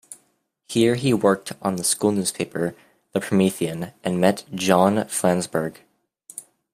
Here, he worked on the school newspaper, the "Promethean", and met John Flansburgh.